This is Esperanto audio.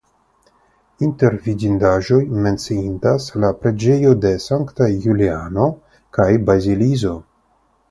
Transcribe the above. Inter vidindaĵoj menciindas la preĝejo de Sanktaj Juliano kaj Bazilizo.